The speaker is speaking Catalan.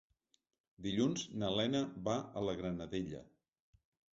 Dilluns na Lena va a la Granadella.